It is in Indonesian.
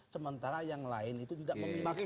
sementara yang lain itu tidak memiliki